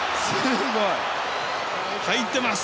入ってます！